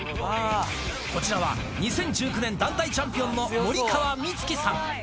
こちらは２０１９年団体チャンピオンの森川未月さん。